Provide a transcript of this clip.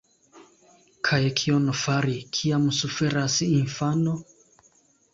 Kaj kion fari, kiam suferas infano?